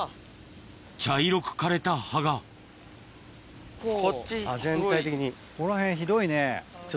茶色く枯れた葉がこの辺ひどいね。